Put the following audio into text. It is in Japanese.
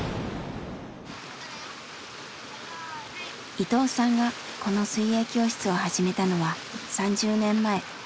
伊藤さんがこの水泳教室を始めたのは３０年前。